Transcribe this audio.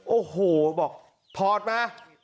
โอ้โหบอกถอดมา